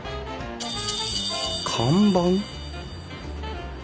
看板？